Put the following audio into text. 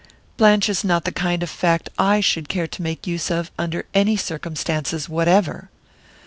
"Blanche is not the kind of fact I should care to make use of under any circumstances whatever!"